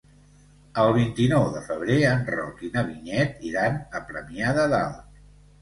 El vint-i-nou de febrer en Roc i na Vinyet iran a Premià de Dalt.